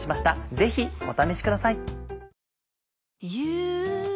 ぜひお試しください。